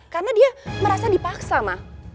karena dia merasa dipaksa ma